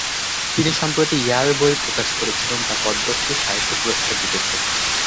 তিনি সম্প্রতি "ইয়ার" বই প্রকাশ "করেছিলেন", যা পদ্মশ্রী সাহিত্য পুরস্কার জিতেছে।